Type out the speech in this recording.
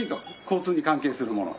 交通に関係するもの。